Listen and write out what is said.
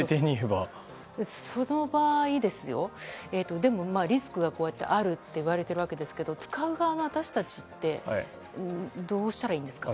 その場合、リスクがあるっていわれているべきですけど使う側の私たちってどうしたらいいんですか？